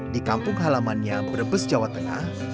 di kampung halamannya brebes jawa tengah